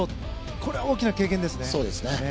これは大きな経験ですね。